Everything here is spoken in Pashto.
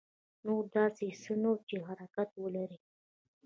نور داسې څه نه وو چې حرکت ولري.